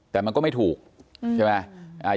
แต่มันก็ไม่ถูกใช่ไหม